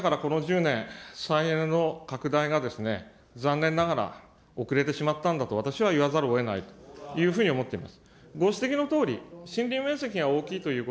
そういう偏った認識だから、この１０年、再エネの拡大が残念ながら遅れてしまったんだと、私は言わざるをえないと思っております。